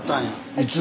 いつ？